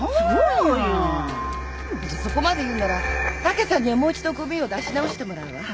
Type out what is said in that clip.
じゃそこまで言うなら武さんにはもう一度ごみを出し直してもらうわ。